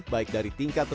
baik dari tingkat kecil